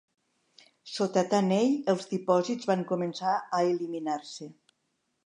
Sota Taney, els dipòsits van començar a eliminar-se.